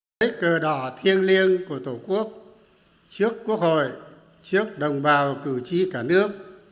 lách cờ đỏ thiêng liêng của tổ quốc trước quốc hội trước đồng bào cử tri cả nước